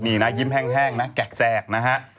นี่นะยิ้มแห้งนะแกะแสกนะฮะ